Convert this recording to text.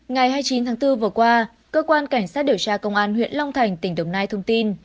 ngày hai mươi chín tháng bốn vừa qua cơ quan cảnh sát điều tra công an huyện long thành tỉnh đồng nai thông tin